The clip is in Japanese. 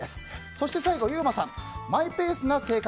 そして、最後ゆうまさんマイペースな性格。